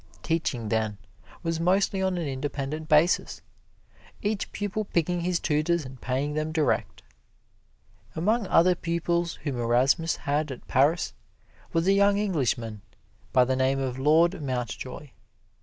Teaching then was mostly on an independent basis, each pupil picking his tutors and paying them direct. Among other pupils whom Erasmus had at Paris was a young Englishman by the name of Lord Mountjoy.